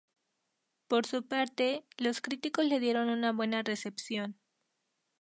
Por su parte, los críticos le dieron una buena recepción.